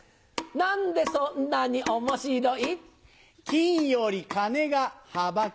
何でそんなに面白い？